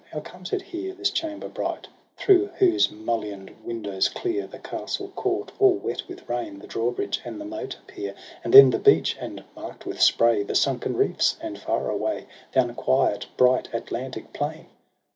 How comes it here, this chamber bright, Through whose mulliond windows clear The castle court all wet with rain, The drawbridge and the moat appear, And then the beach, and, mark'd with spray, The sunken reefs, and far aivay The unquiet bright Atlantic plain?